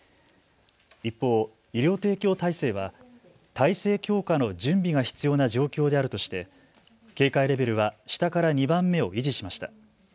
一方、医療提供体制は体制強化の準備が必要な状況であるとして警戒レベルは下から２番目を維持しました。